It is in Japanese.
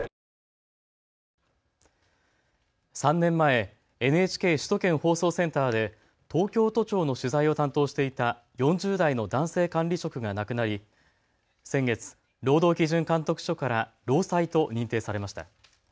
３年前、ＮＨＫ首都圏放送センターで東京都庁の取材を担当していた４０代の男性管理職が亡くなり先月、労働基準監督署から労災と認定されました。